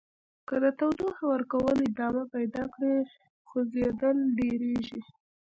که تودوخې ورکول ادامه پیدا کړي خوځیدل ډیریږي.